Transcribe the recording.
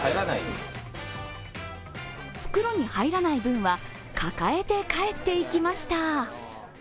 袋に入らない分は抱えて帰っていきました。